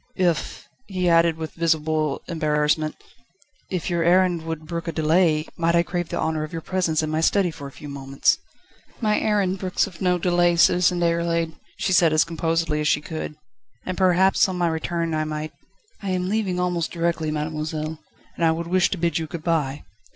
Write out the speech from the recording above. "If ..." he added, with visible embarrassment, "if your errand would brook a delay, might I crave the honour of your presence in my study for a few moments?" "My errand brooks of no delay, Citizen Déroulède," she said as composedly as she could, "and perhaps on my return I might ..." "I am leaving almost directly, mademoiselle, and I would wish to bid you good bye."